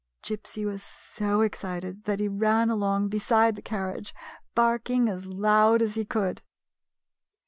Gypsy was so excited that lie ran along beside the carriage, barking as loud as he could.